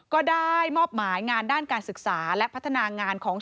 ก็ได้มอบหมายงานด้านการศึกษาและพัฒนางานของ